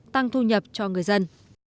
tăng thu nhập cho người dân